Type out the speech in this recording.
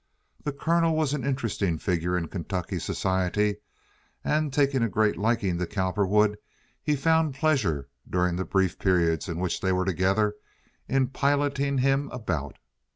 The Colonel was an interesting figure in Kentucky society; and, taking a great liking to Cowperwood, he found pleasure, during the brief periods in which they were together, in piloting him about.